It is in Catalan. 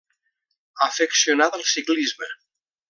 Afeccionat al ciclisme.